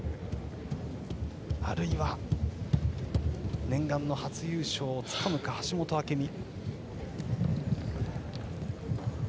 あるいは念願の初優勝をつかむか橋本朱未。